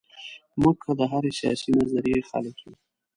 موږ که د هرې سیاسي نظریې خلک یو.